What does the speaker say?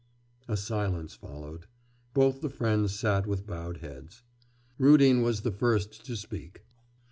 A silence followed. Both the friends sat with bowed heads. Rudin was the first to speak.